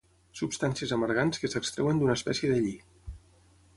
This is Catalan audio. Substàncies amargants que s'extreuen d'una espècie de lli.